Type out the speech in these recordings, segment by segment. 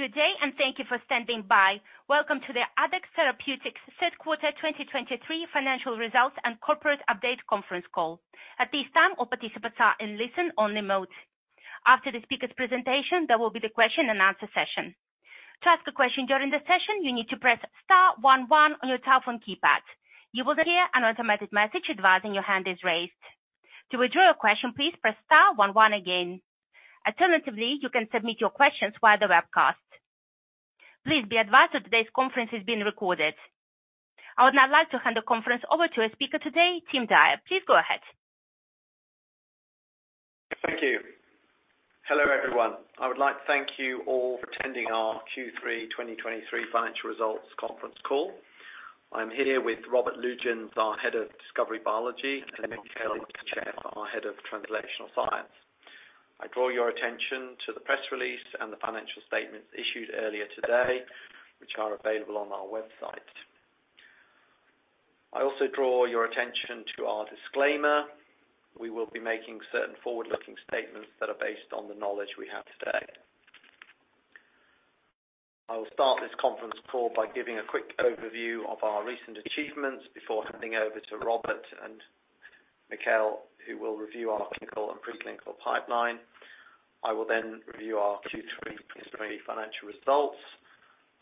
Good day, and thank you for standing by. Welcome to the Addex Therapeutics Q3 2023 financial results and corporate update conference call. At this time, all participants are in listen-only mode. After the speaker's presentation, there will be the question and answer session. To ask a question during the session, you need to press star one one on your telephone keypad. You will hear an automatic message advising your hand is raised. To withdraw your question, please press star one one again. Alternatively, you can submit your questions via the webcast. Please be advised that today's conference is being recorded. I would now like to hand the conference over to our speaker today, Tim Dyer. Please go ahead. Thank you. Hello, everyone. I would like to thank you all for attending our Q3 2023 financial results conference call. I'm here with Robert Lütjens, our Head of Discovery Biology, and Mikhail, our Head of Translational Science. I draw your attention to the press release and the financial statements issued earlier today, which are available on our website. I also draw your attention to our disclaimer. We will be making certain forward-looking statements that are based on the knowledge we have today. I will start this conference call by giving a quick overview of our recent achievements before handing over to Robert and Mikhail, who will review our clinical and preclinical pipeline. I will then review our Q3 preliminary financial results.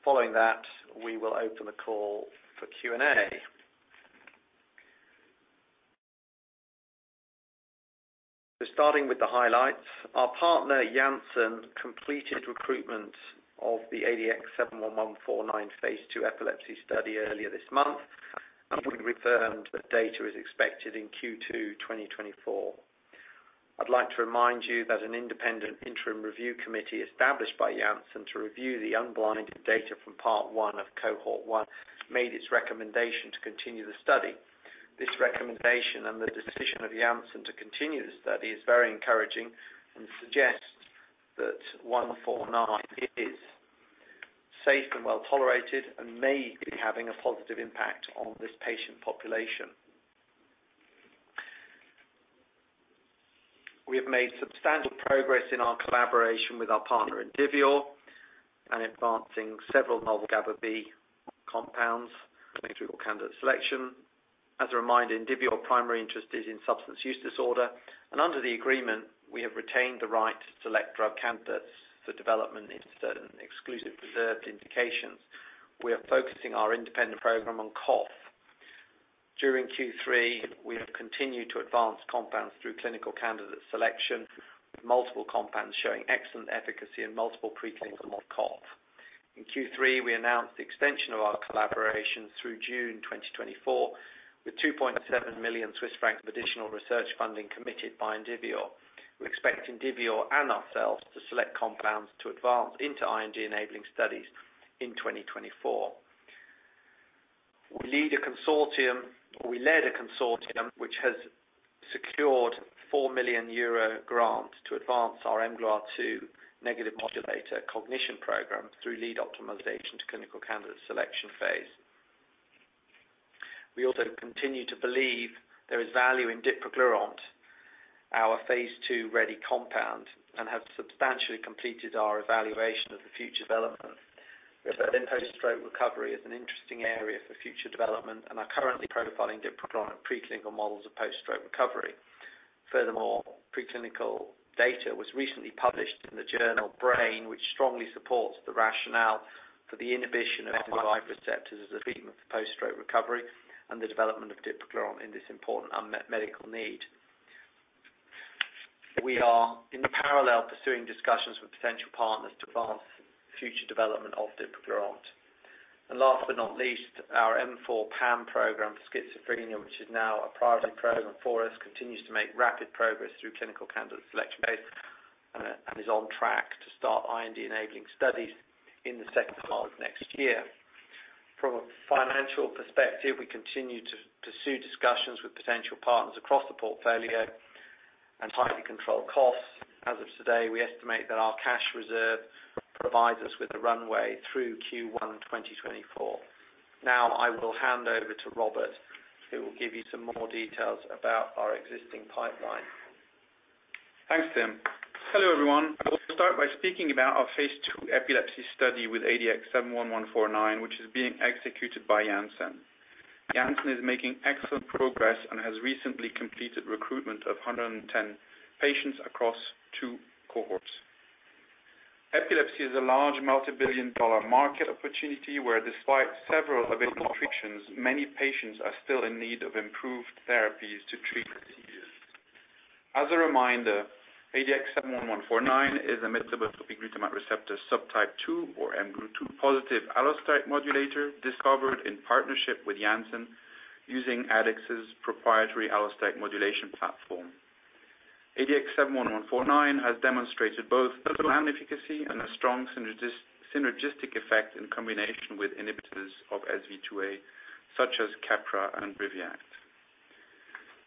Following that, we will open the call for Q&A. Starting with the highlights, our partner, Janssen, completed recruitment of the ADX71149 phase 2 epilepsy study earlier this month, and we confirmed that data is expected in Q2 2024. I'd like to remind you that an independent interim review committee established by Janssen to review the unblinded data from part 1 of cohort 1, made its recommendation to continue the study. This recommendation and the decision of Janssen to continue the study is very encouraging and suggests that 149 is safe and well tolerated and may be having a positive impact on this patient population. We have made substantial progress in our collaboration with our partner, Indivior, and advancing several novel GABAB compounds through candidate selection. As a reminder, Indivior's primary interest is in substance use disorder, and under the agreement, we have retained the right to select drug candidates for development in certain exclusive preserved indications. We are focusing our independent program on cough. During Q3, we have continued to advance compounds through clinical candidate selection, with multiple compounds showing excellent efficacy in multiple preclinical model of cough. In Q3, we announced the extension of our collaboration through June 2024, with 2.7 million Swiss francs of additional research funding committed by Indivior. We expect Indivior and ourselves to select compounds to advance into IND-enabling studies in 2024. We led a consortium which has secured 4 million euro grant to advance our mGlu2 negative modulator cognition program through lead optimization to clinical candidate selection phase. We also continue to believe there is value in Dipraglurant, our phase two-ready compound, and have substantially completed our evaluation of the future development. We have said post-stroke recovery is an interesting area for future development and are currently profiling Dipraglurant preclinical models of post-stroke recovery. Furthermore, preclinical data was recently published in the journal Brain, which strongly supports the rationale for the inhibition of receptors as a treatment for post-stroke recovery and the development of Dipraglurant in this important unmet medical need. We are, in parallel, pursuing discussions with potential partners to advance future development of Dipraglurant. And last but not least, our M4 PAM program for schizophrenia, which is now a priority program for us, continues to make rapid progress through clinical candidate selection phase, and is on track to start IND-enabling studies in the second half of next year. From a financial perspective, we continue to pursue discussions with potential partners across the portfolio and tightly control costs. As of today, we estimate that our cash reserve provides us with a runway through Q1 2024. Now, I will hand over to Robert, who will give you some more details about our existing pipeline. Thanks, Tim. Hello, everyone. I will start by speaking about our phase two epilepsy study with ADX71149, which is being executed by Janssen. Janssen is making excellent progress and has recently completed recruitment of 110 patients across two cohorts. Epilepsy is a large, $ multi-billion-dollar market opportunity, where despite several available options, many patients are still in need of improved therapies to treat the disease. As a reminder, ADX71149 is a metabotropic glutamate receptor, subtype two or mGlu2-positive allosteric modulator, discovered in partnership with Janssen, using Addex's proprietary allosteric modulation platform. ADX71149 has demonstrated both efficacy and a strong synergistic effect in combination with inhibitors of SV2A, such as Keppra and Briviact.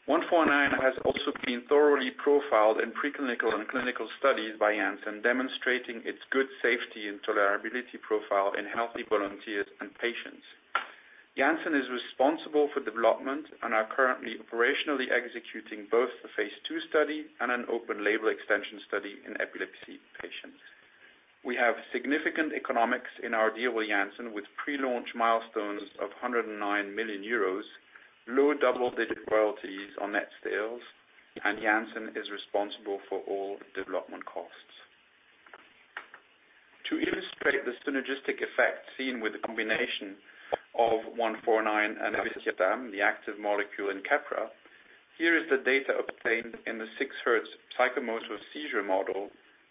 ADX71149 has also been thoroughly profiled in preclinical and clinical studies by Janssen, demonstrating its good safety and tolerability profile in healthy volunteers and patients. Janssen is responsible for development and are currently operationally executing both the phase 2 study and an open-label extension study in epilepsy patients. We have significant economics in our deal with Janssen, with pre-launch milestones of 109 million euros, low double-digit royalties on net sales, and Janssen is responsible for all development costs. To illustrate the synergistic effect seen with the combination of ADX71149 and levetiracetam, the active molecule in Keppra, here is the data obtained in the 6 hertz psychomotor seizure model,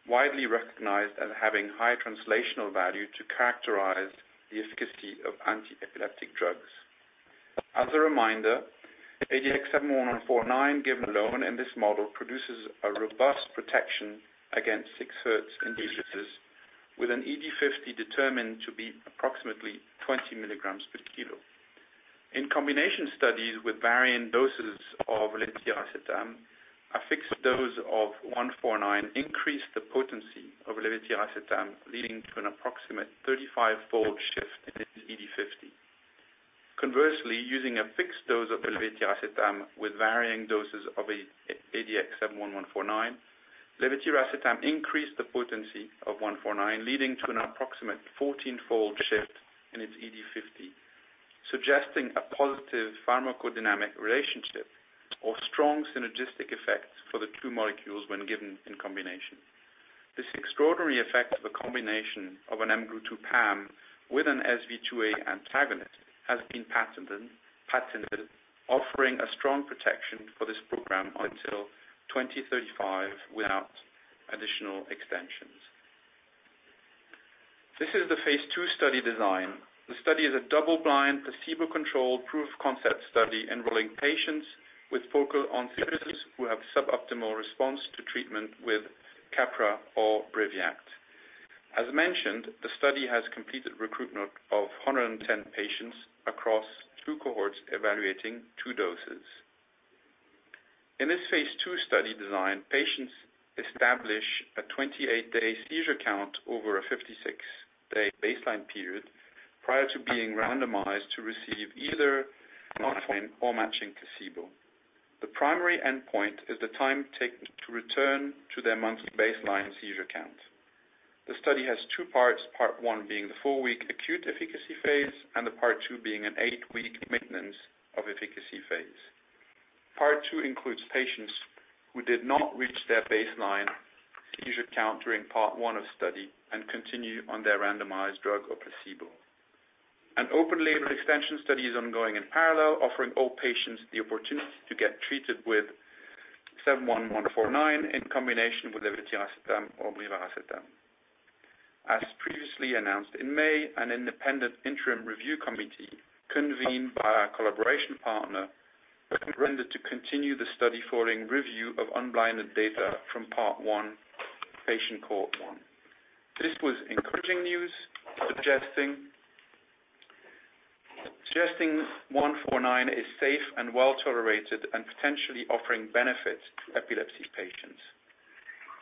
widely recognized as having high translational value to characterize the efficacy of anti-epileptic drugs. As a reminder, ADX71149, given alone in this model, produces a robust protection against 6-Hz seizures, with an ED50 determined to be approximately 20 mg/kg. In combination studies with varying doses of levetiracetam, a fixed dose of 149 increased the potency of levetiracetam, leading to an approximate 35-fold shift in its ED50. Conversely, using a fixed dose of levetiracetam with varying doses of ADX71149, levetiracetam increased the potency of 149, leading to an approximate 14-fold shift in its ED50, suggesting a positive pharmacodynamic relationship or strong synergistic effects for the two molecules when given in combination. This extraordinary effect of a combination of an mGlu2 PAM with an SV2A antagonist has been patented, offering a strong protection for this program until 2035 without additional extensions. This is the phase 2 study design. The study is a double-blind, placebo-controlled proof of concept study, enrolling patients with focal seizures who have suboptimal response to treatment with Keppra or Briviact. As mentioned, the study has completed recruitment of 110 patients across two cohorts, evaluating two doses. In this phase 2 study design, patients establish a 28-day seizure count over a 56-day baseline period, prior to being randomized to receive either 149 or matching placebo. The primary endpoint is the time taken to return to their monthly baseline seizure count. The study has two parts, part one being the 4-week acute efficacy phase, and the part two being an 8-week maintenance of efficacy phase. Part two includes patients who did not reach their baseline seizure count during part one of study and continue on their randomized drug or placebo. An open-label extension study is ongoing in parallel, offering all patients the opportunity to get treated with ADX71149 in combination with levetiracetam or brivaracetam. As previously announced in May, an independent interim review committee convened by our collaboration partner recommended to continue the study following review of unblinded data from part 1, patient cohort 1. This was encouraging news, suggesting ADX71149 is safe and well tolerated and potentially offering benefit to epilepsy patients.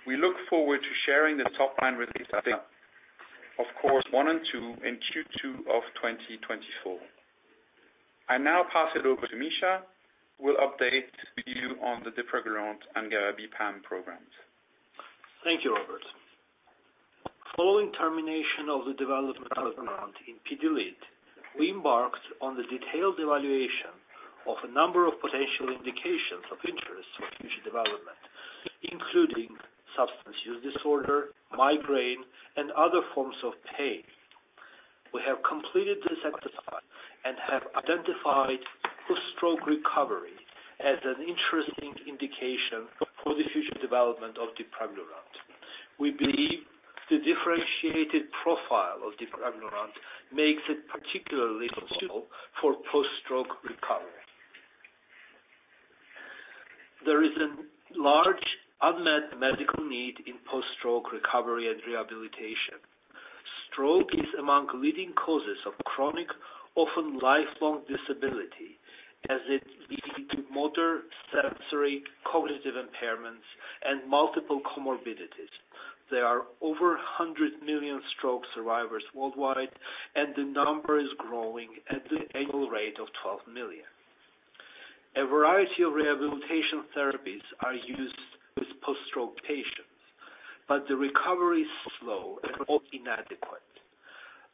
We look forward to sharing the top-line results from parts 1 and 2 in Q2 of 2024. I now pass it over to Misha, who will update you on the Dipraglurant and GABAB PAM programs. Thank you, Robert. Following termination of the development in PD-LID, we embarked on the detailed evaluation of a number of potential indications of interest for future development, including substance use disorder, migraine, and other forms of pain. We have completed this exercise and have identified post-stroke recovery as an interesting indication for the future development of Dipraglurant. We believe the differentiated profile of Dipraglurant makes it particularly suitable for post-stroke recovery. There is a large unmet medical need in post-stroke recovery and rehabilitation. Stroke is among leading causes of chronic, often lifelong disability, as it leads to motor, sensory, cognitive impairments, and multiple comorbidities. There are over 100 million stroke survivors worldwide, and the number is growing at the annual rate of 12 million.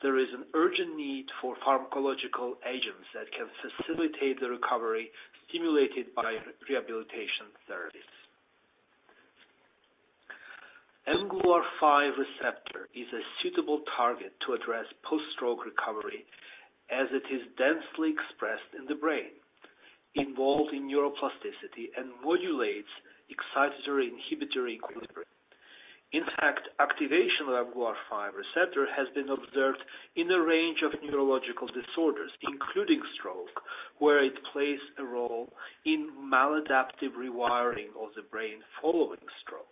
There is an urgent need for pharmacological agents that can facilitate the recovery stimulated by rehabilitation therapies. mGlu5 receptor is a suitable target to address post-stroke recovery, as it is densely expressed in the brain, involved in neuroplasticity and modulates excitatory inhibitory equilibrium. In fact, activation of mGlu5 receptor has been observed in a range of neurological disorders, including stroke, where it plays a role in maladaptive rewiring of the brain following stroke.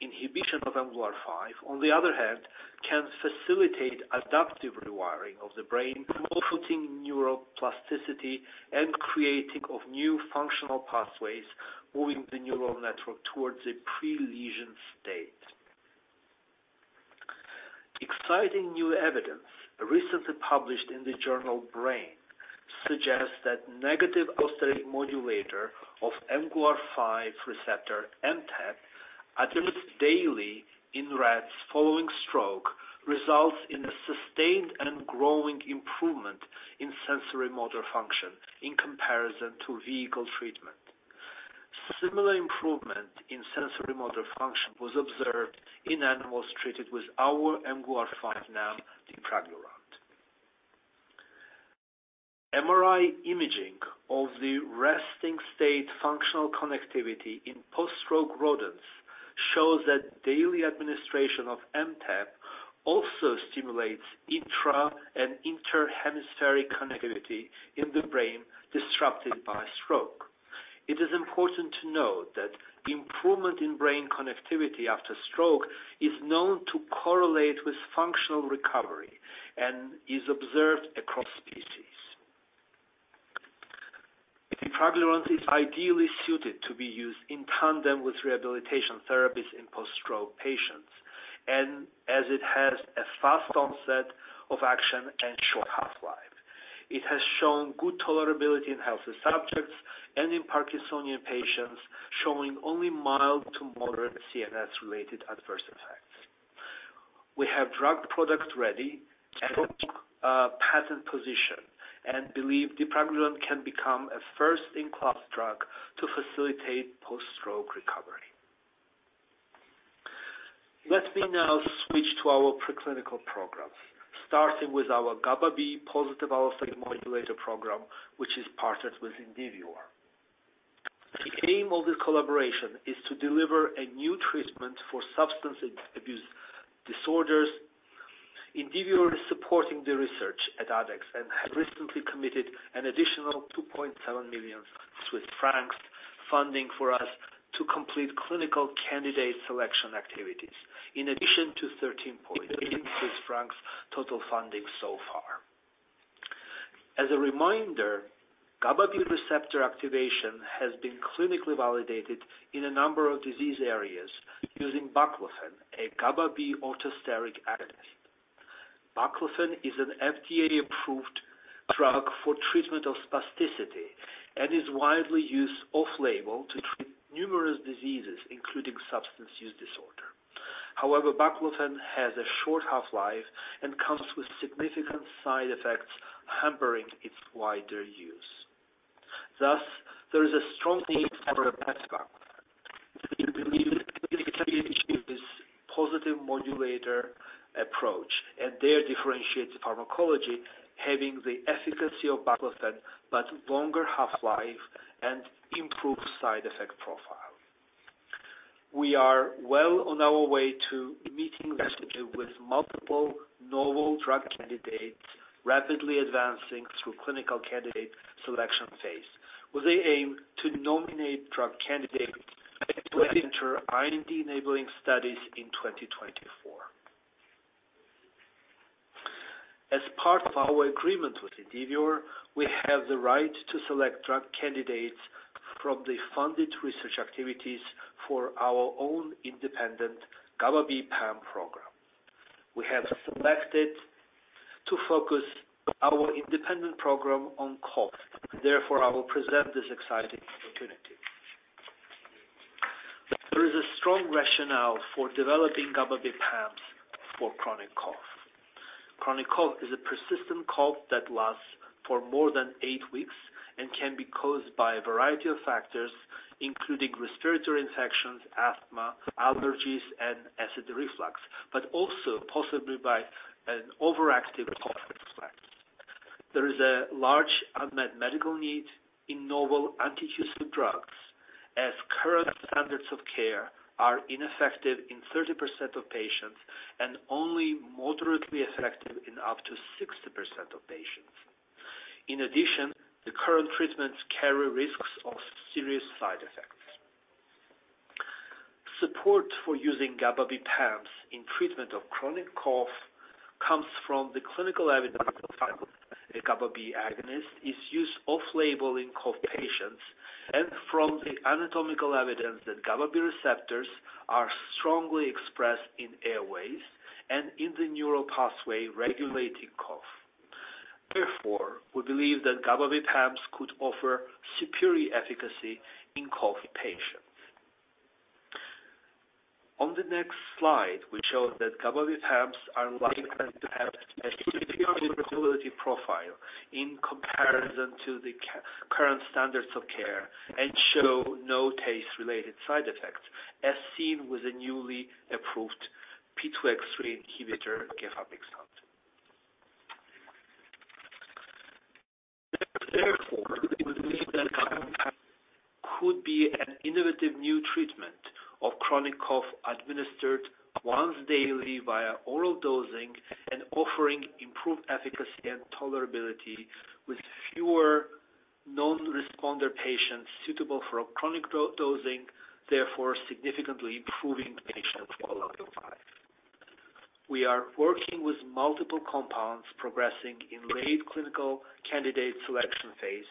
Inhibition of mGlu5, on the other hand, can facilitate adaptive rewiring of the brain, promoting neuroplasticity and creating of new functional pathways, moving the neural network towards a pre-lesion state. Exciting new evidence recently published in the journal Brain suggests that negative allosteric modulator of mGlu5 receptor, MTEP, administered daily in rats following stroke, results in a sustained and growing improvement in sensory motor function in comparison to vehicle treatment. Similar improvement in sensory motor function was observed in animals treated with our mGlu5 NAM, Dipraglurant. MRI imaging of the resting state functional connectivity in post-stroke rodents shows that daily administration of MTEP also stimulates intra- and inter-hemispheric connectivity in the brain disrupted by stroke. It is important to note that improvement in brain connectivity after stroke is known to correlate with functional recovery and is observed across species. Dipraglurant is ideally suited to be used in tandem with rehabilitation therapies in post-stroke patients and as it has a fast onset of action and short half-life. It has shown good tolerability in healthy subjects and in Parkinsonian patients, showing only mild to moderate CNS-related adverse effects. We have drug product ready, and a patent position, and believe Dipraglurant can become a first-in-class drug to facilitate post-stroke recovery. Let me now switch to our preclinical programs, starting with our GABAB positive allosteric modulator program, which is partnered with Indivior. The aim of the collaboration is to deliver a new treatment for substance abuse disorders. Indivior is supporting the research at Addex, and has recently committed an additional 2.7 million Swiss francs funding for us to complete clinical candidate selection activities, in addition to 13.8 million Swiss francs total funding so far. As a reminder, GABAB receptor activation has been clinically validated in a number of disease areas using baclofen, a GABAB allosteric agonist. Baclofen is an FDA-approved drug for treatment of spasticity, and is widely used off-label to treat numerous diseases, including substance use disorder. However, baclofen has a short half-life and comes with significant side effects, hampering its wider use. Thus, there is a strong need for a best practice. We believe this positive modulator approach and their differentiated pharmacology, having the efficacy of baclofen, but longer half-life and improved side effect profile. We are well on our way to meeting this with multiple novel drug candidates, rapidly advancing through clinical candidate selection phase, with the aim to nominate drug candidates to enter IND-enabling studies in 2024. As part of our agreement with Indivior, we have the right to select drug candidates from the funded research activities for our own independent GABAB PAM program. We have selected to focus our independent program on cough, therefore, I will present this exciting opportunity. There is a strong rationale for developing GABAB PAMs for chronic cough. Chronic cough is a persistent cough that lasts for more than eight weeks and can be caused by a variety of factors, including respiratory infections, asthma, allergies, and acid reflux, but also possibly by an overactive cough reflex. There is a large unmet medical need in novel antitussive drugs, as current standards of care are ineffective in 30% of patients and only moderately effective in up to 60% of patients. In addition, the current treatments carry risks of serious side effects. Support for using GABAB PAMs in treatment of chronic cough, comes from the clinical evidence that the GABAB agonist is used off-label in cough patients, and from the anatomical evidence that GABAB receptors are strongly expressed in airways and in the neural pathway regulating cough. Therefore, we believe that GABAB PAMs could offer superior efficacy in cough patients. On the next slide, we show that GABAB PAMs are likely to have a superior tolerability profile in comparison to the current standards of care, and show no taste-related side effects, as seen with the newly approved P2X3 inhibitor, gefapixant. Therefore, we believe that GABAB could be an innovative new treatment of chronic cough administered once daily via oral dosing and offering improved efficacy and tolerability with fewer non-responder patients suitable for chronic dosing, therefore, significantly improving patient quality of life. We are working with multiple compounds progressing in late clinical candidate selection phase,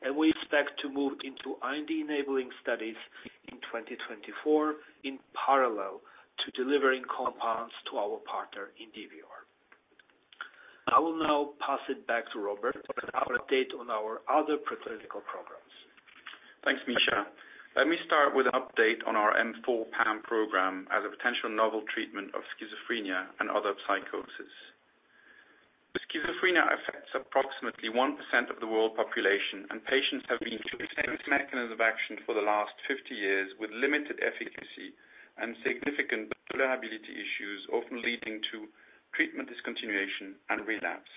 and we expect to move into IND-enabling studies in 2024, in parallel to delivering compounds to our partner, Indivior. I will now pass it back to Robert for an update on our other pre-clinical programs. Thanks, Misha. Let me start with an update on our M4 PAM program as a potential novel treatment of schizophrenia and other psychosis. Schizophrenia affects approximately 1% of the world population, and patients have been treated with the same mechanism of action for the last 50 years, with limited efficacy and significant tolerability issues, often leading to treatment discontinuation and relapse.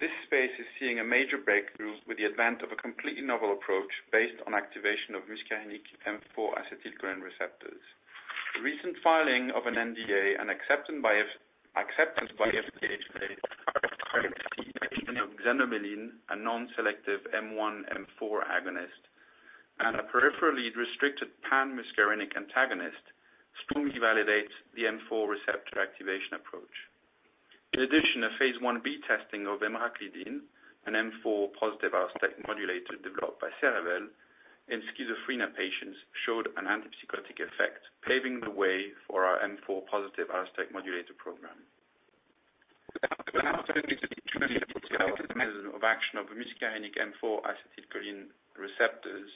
This space is seeing a major breakthrough with the advent of a completely novel approach based on activation of muscarinic M4 acetylcholine receptors. The recent filing of an NDA and acceptance by FDA of xanomeline, a non-selective M1/M4 agonist and a peripherally restricted pan-muscarinic antagonist, strongly validates the M4 receptor activation approach. In addition, a phase 1b testing of emraclidine, an M4 positive allosteric modulator developed by Cerevel in schizophrenia patients, showed an antipsychotic effect, paving the way for our M4 positive allosteric modulator program. Mechanism of action of muscarinic M4 acetylcholine receptors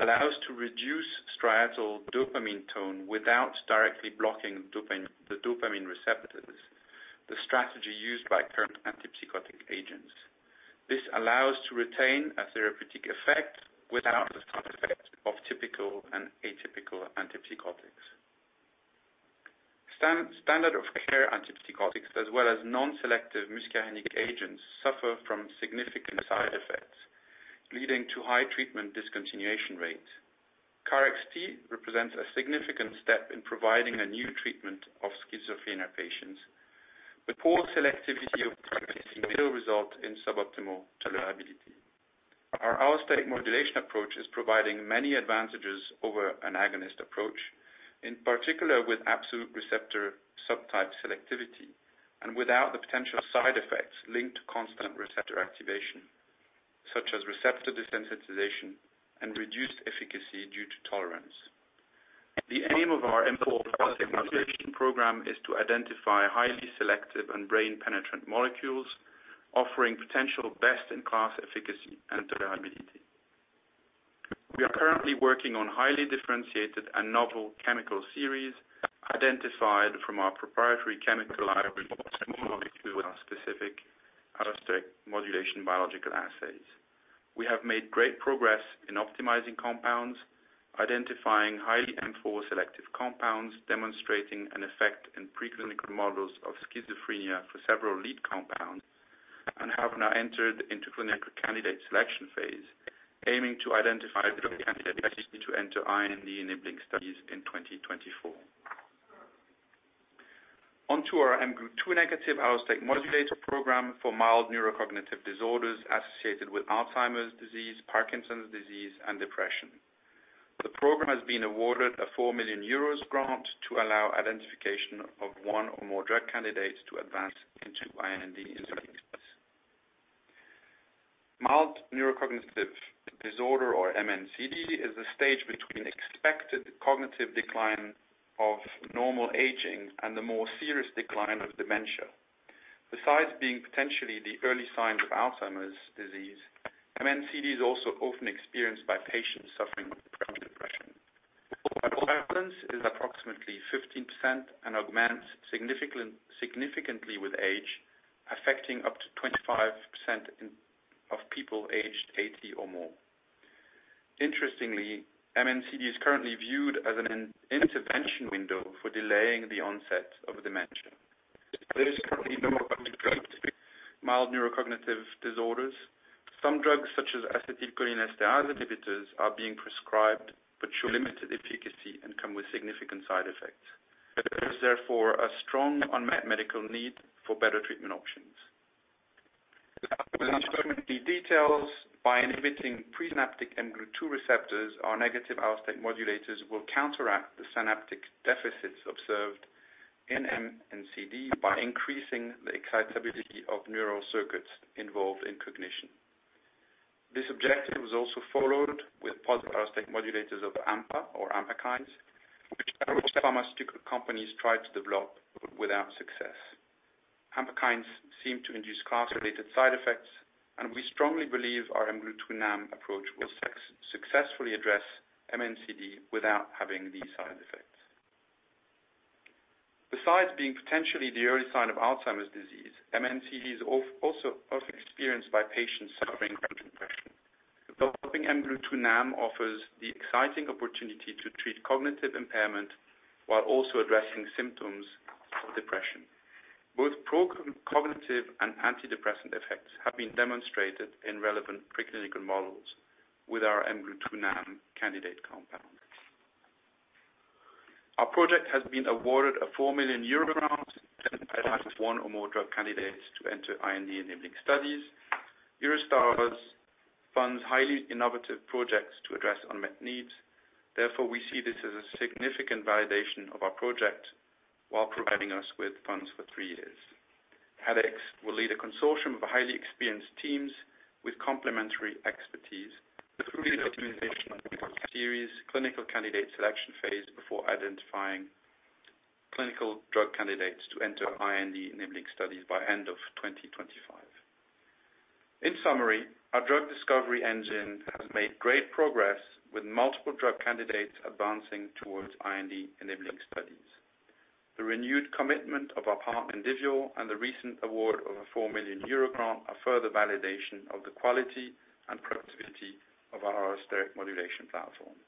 allows to reduce striatal dopamine tone without directly blocking dopamine, the dopamine receptors, the strategy used by current antipsychotic agents. This allows to retain a therapeutic effect without the side effects of typical and atypical antipsychotics. Standard of care antipsychotics, as well as non-selective muscarinic agents, suffer from significant side effects, leading to high treatment discontinuation rates. KarXT represents a significant step in providing a new treatment of schizophrenia patients. The poor selectivity of KarXT will result in suboptimal tolerability. Our allosteric modulation approach is providing many advantages over an agonist approach, in particular with absolute receptor subtype selectivity and without the potential side effects linked to constant receptor activation, such as receptor desensitization and reduced efficacy due to tolerance. The aim of our M4 allosteric modulation program is to identify highly selective and brain-penetrant molecules, offering potential best-in-class efficacy and tolerability. We are currently working on highly differentiated and novel chemical series identified from our proprietary chemical library with our specific allosteric modulation biological assays. We have made great progress in optimizing compounds, identifying highly M4 selective compounds, demonstrating an effect in preclinical models of schizophrenia for several lead compounds, and have now entered into clinical candidate selection phase, aiming to identify drug candidates to enter IND-enabling studies in 2024. On to our mGlu2 negative allosteric modulator program for mild neurocognitive disorders associated with Alzheimer's disease, Parkinson's disease, and depression. The program has been awarded a 4 million euros grant to allow identification of one or more drug candidates to advance into IND-enabling studies. Mild neurocognitive disorder, or MNCD, is a stage between expected cognitive decline of normal aging and the more serious decline of dementia. Besides being potentially the early signs of Alzheimer's disease, MNCD is also often experienced by patients suffering from depression. Prevalence is approximately 15% and augments significantly with age, affecting up to 25% of people aged 80 or more. Interestingly, MNCD is currently viewed as an intervention window for delaying the onset of dementia. There is currently no approved treatment for mild neurocognitive disorders. Some drugs, such as acetylcholinesterase inhibitors, are being prescribed, but show limited efficacy and come with significant side effects. There is therefore a strong unmet medical need for better treatment options. The mGlu2 NAMs by inhibiting presynaptic mGlu2 receptors or negative allosteric modulators will counteract the synaptic deficits observed in MNCD by increasing the excitability of neural circuits involved in cognition. This objective was also followed with positive allosteric modulators of AMPA or Ampakines, which pharmaceutical companies tried to develop without success. Ampakines seem to induce class-related side effects, and we strongly believe our mGlu2 NAM approach will successfully address MNCD without having these side effects. Besides being potentially the early sign of Alzheimer's disease, MNCD is also often experienced by patients suffering from depression. Developing mGlu2 NAM offers the exciting opportunity to treat cognitive impairment while also addressing symptoms of depression. Both pro-cognitive and antidepressant effects have been demonstrated in relevant preclinical models with our mGlu2 NAM candidate compound. Our project has been awarded a 4 million euro grant one or more drug candidates to enter IND-enabling studies. Eurostars funds highly innovative projects to address unmet needs. Therefore, we see this as a significant validation of our project while providing us with funds for three years. Addex will lead a consortium of highly experienced teams with complementary expertise... through lead optimization series, clinical candidate selection phase before identifying clinical drug candidates to enter IND-enabling studies by end of 2025. In summary, our drug discovery engine has made great progress, with multiple drug candidates advancing towards IND-enabling studies. The renewed commitment of our partner, Indivior, and the recent award of a 4 million euro grant, are further validation of the quality and productivity of our allosteric modulation platform.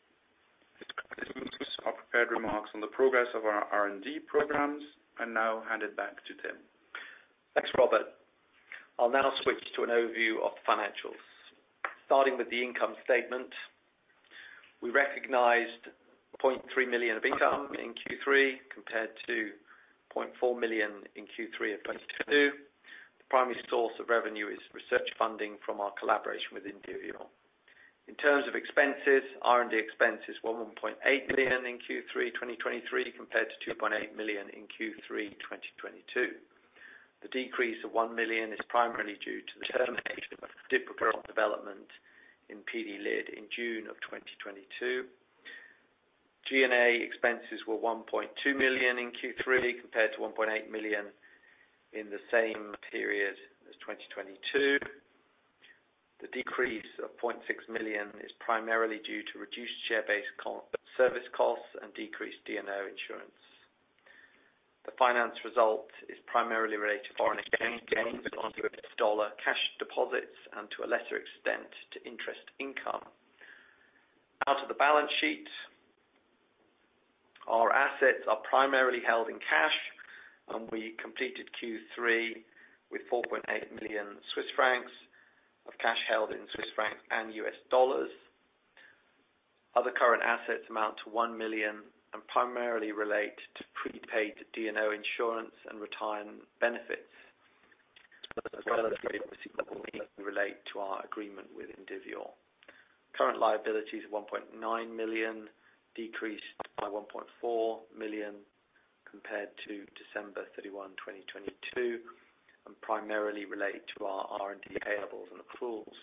This concludes our prepared remarks on the progress of our R&D programs. I now hand it back to Tim. Thanks, Robert. I'll now switch to an overview of financials. Starting with the income statement, we recognized 0.3 million of income in Q3, compared to 0.4 million in Q3 of 2022. The primary source of revenue is research funding from our collaboration with Indivior. In terms of expenses, R&D expenses were 1.8 million in Q3 2023, compared to 2.8 million in Q3 2022. The decrease of 1 million is primarily due to the termination of Dipraglurant development in PD-LID in June of 2022. G&A expenses were 1.2 million in Q3, compared to 1.8 million in the same period as 2022. The decrease of 0.6 million is primarily due to reduced share-based compensation costs and decreased D&O insurance. The finance result is primarily related to foreign exchange gains on US dollar cash deposits, and to a lesser extent, to interest income. Now to the balance sheet. Our assets are primarily held in cash, and we completed Q3 with 4.8 million Swiss francs of cash held in Swiss francs and US dollars. Other current assets amount to 1 million, and primarily relate to prepaid D&O insurance and retirement benefits, as well as accounts receivable that relate to our agreement with Indivior. Current liabilities of 1.9 million, decreased by 1.4 million compared to December 31, 2022, and primarily relate to our R&D payables and accruals.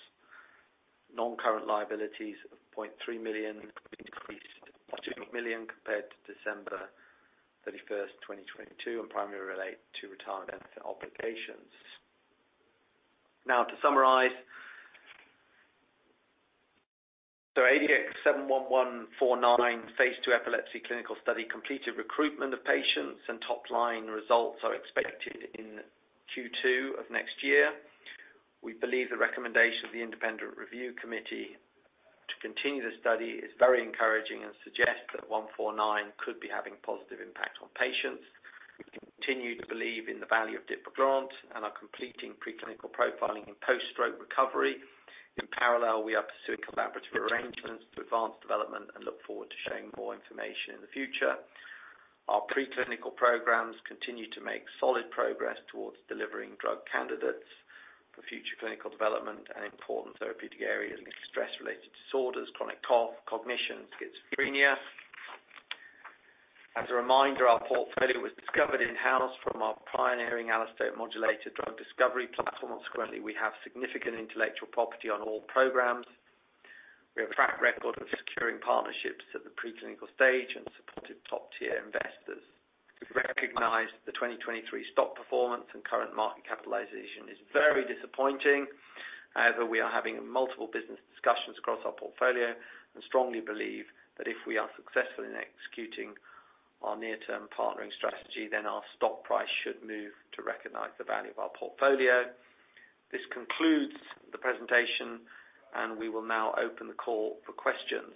Non-current liabilities of 0.3 million, increased by 2 million compared to December 31, 2022, and primarily relate to retirement benefit obligations. Now, to summarize, so ADX71149 phase II epilepsy clinical study completed recruitment of patients, and top-line results are expected in Q2 of next year. We believe the recommendation of the independent review committee to continue the study is very encouraging, and suggests that 149 could be having a positive impact on patients. We continue to believe in the value of Dipraglurant, and are completing preclinical profiling and post-stroke recovery. In parallel, we are pursuing collaborative arrangements to advance development, and look forward to sharing more information in the future. Our preclinical programs continue to make solid progress towards delivering drug candidates for future clinical development in important therapeutic areas, like stress-related disorders, chronic cough, cognition, and schizophrenia. As a reminder, our portfolio was discovered in-house from our pioneering allosteric modulator drug discovery platform. Consequently, we have significant intellectual property on all programs. We have a track record of securing partnerships at the preclinical stage and supportive top-tier investors. We recognize the 2023 stock performance and current market capitalization is very disappointing. However, we are having multiple business discussions across our portfolio, and strongly believe that if we are successful in executing our near-term partnering strategy, then our stock price should move to recognize the value of our portfolio. This concludes the presentation, and we will now open the call for questions.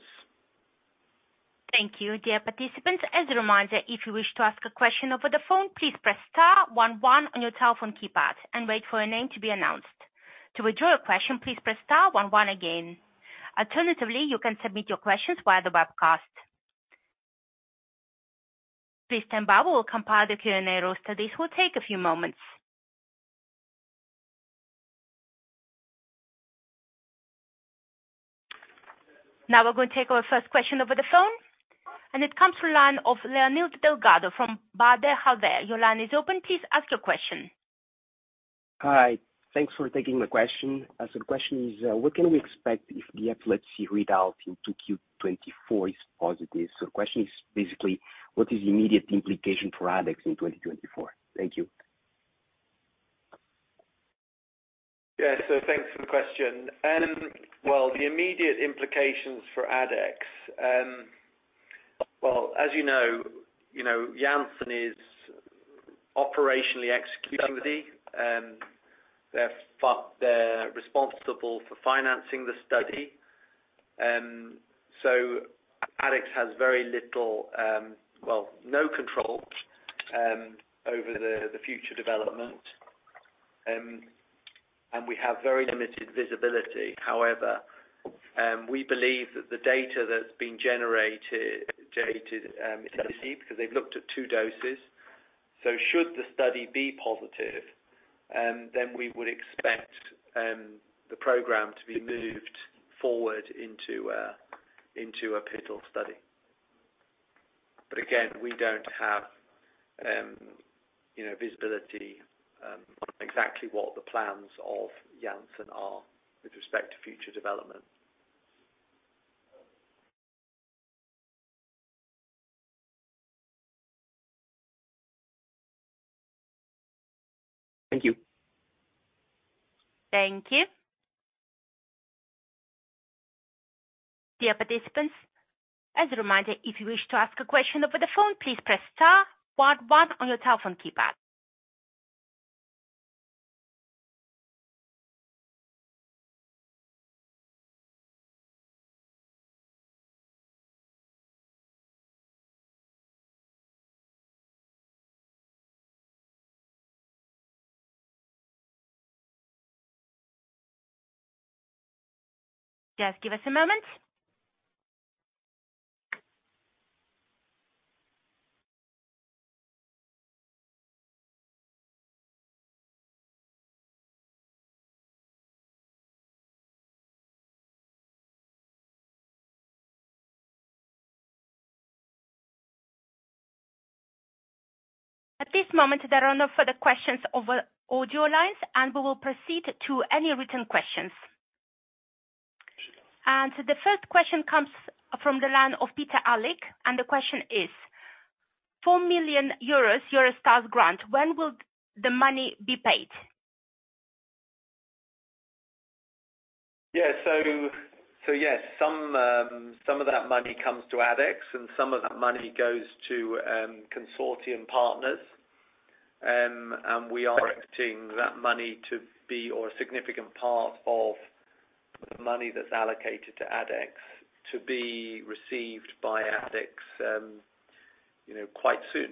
Thank you, dear participants. As a reminder, if you wish to ask a question over the phone, please press star one one on your telephone keypad and wait for your name to be announced. To withdraw your question, please press star one one again. Alternatively, you can submit your questions via the webcast. Please stand by, we will compile the Q&A roster. This will take a few moments. Now, we're going to take our first question over the phone, and it comes from the line of Leonel Delgado from Baader Helvea. Your line is open. Please ask your question. Hi. Thanks for taking my question. So the question is, what can we expect if the epilepsy readout in 2Q 2024 is positive? So the question is basically, what is the immediate implication for Addex in 2024? Thank you. Yeah, so thanks for the question. Well, the immediate implications for Addex... Well, as you know, you know, Janssen is operationally executing the, they're responsible for financing the study. So Addex has very little, well, no control, over the, the future development, and we have very limited visibility. However, we believe that the data that's been generated, dated, is necessary, because they've looked at two doses. So should the study be positive, then we would expect, the program to be moved forward into a, into a pivotal study. But again, we don't have, you know, visibility, on exactly what the plans of Janssen are with respect to future development. Thank you. Thank you. Dear participants, as a reminder, if you wish to ask a question over the phone, please press star, part one on your telephone keypad. Just give us a moment. At this moment, there are no further questions over audio lines, and we will proceed to any written questions. The first question comes from the line of Peter Alick, and the question is: 4 million euros Eurostars grant. When will the money be paid? Yeah, so yes, some of that money comes to Addex, and some of that money goes to consortium partners. And we are expecting that money to be, or a significant part of the money that's allocated to Addex, to be received by Addex, you know, quite soon.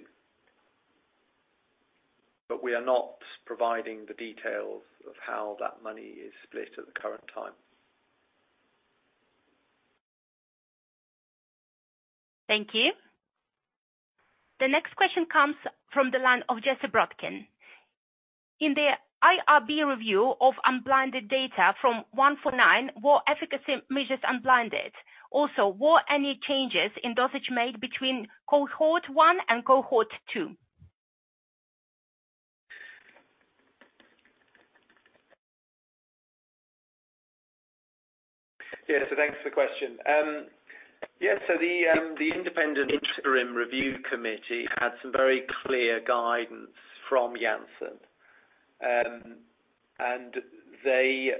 But we are not providing the details of how that money is split at the current time. Thank you. The next question comes from the line of Jesse Brodkin. In the IRB review of unblinded data from 149, were efficacy measures unblinded? Also, were any changes in dosage made between cohort 1 and cohort 2? Yeah, so thanks for the question. The independent interim review committee had some very clear guidance from Janssen. And they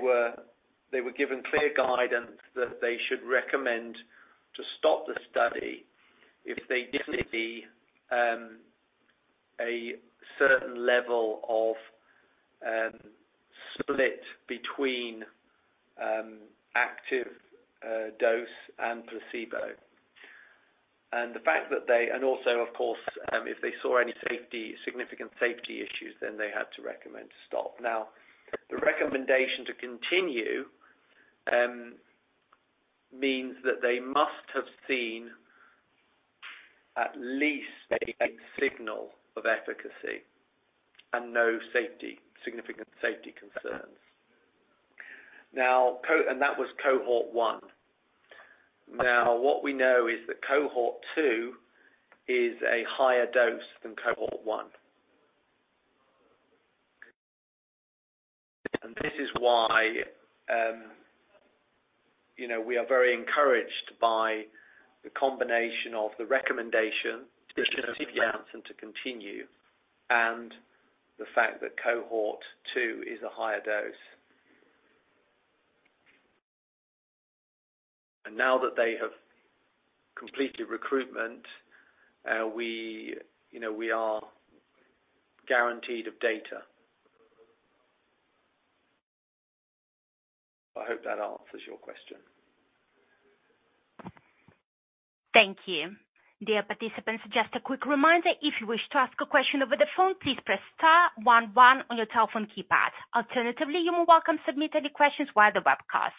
were given clear guidance that they should recommend to stop the study if they didn't see a certain level of split between active dose and placebo. And the fact that they and also, of course, if they saw any significant safety issues, then they had to recommend to stop. Now, the recommendation to continue means that they must have seen at least a signal of efficacy and no significant safety concerns. Now, and that was cohort one. Now, what we know is that cohort two is a higher dose than cohort one. This is why, you know, we are very encouraged by the combination of the recommendation from Janssen to continue and the fact that cohort 2 is a higher dose. Now that they have completed recruitment, we, you know, we are guaranteed of data. I hope that answers your question. Thank you. Dear participants, just a quick reminder, if you wish to ask a question over the phone, please press star one one on your telephone keypad. Alternatively, you are welcome to submit any questions via the webcast.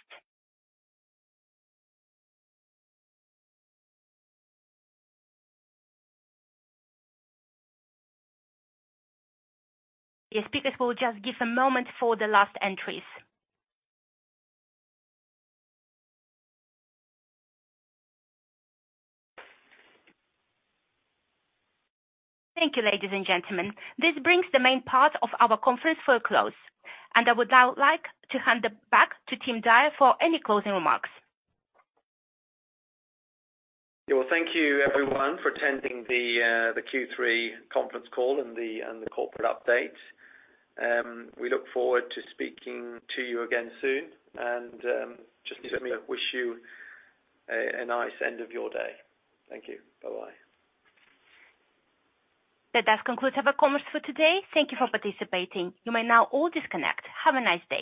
The speakers will just give a moment for the last entries. Thank you, ladies and gentlemen. This brings the main part of our conference to a close, and I would now like to hand it back to Tim Dyer for any closing remarks. Yeah, well, thank you everyone for attending the Q3 conference call and the corporate update. We look forward to speaking to you again soon, and just let me wish you a nice end of your day. Thank you. Bye-bye. That does conclude our conference for today. Thank you for participating. You may now all disconnect. Have a nice day.